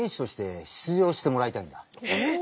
えっ！